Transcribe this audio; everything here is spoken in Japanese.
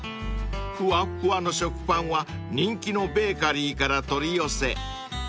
［ふわっふわの食パンは人気のベーカリーから取り寄せ］